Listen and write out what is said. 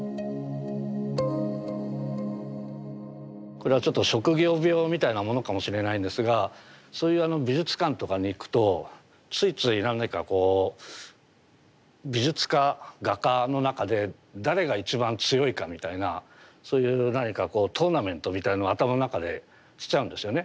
これはちょっと職業病みたいなものかもしれないんですがそういう美術館とかに行くとついつい何かこう美術家画家の中で誰が一番強いかみたいなそういう何かこうトーナメントみたいなの頭の中でしちゃうんですよね。